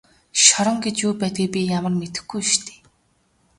Шорон гэж юу байдгийг би ямар мэдэхгүй биш дээ.